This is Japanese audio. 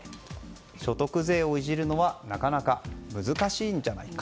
所得税をいじるのはなかなか難しいんじゃないか。